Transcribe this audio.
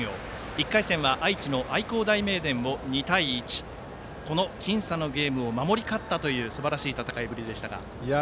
１回戦は愛知の愛工大名電を２対１この僅差のゲームを守り勝ったというすばらしい戦いぶりでしたが。